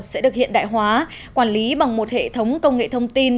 sẽ được hiện đại hóa quản lý bằng một hệ thống công nghệ thông tin